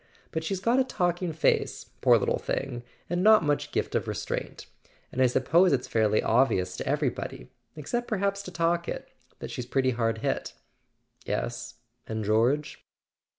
But she's got a talking face, poor little thing; and not much gift of restraint. And I suppose it's fairly obvious to everybody—except perhaps to Talkett—that she's pretty hard hit." "Yes. And George?"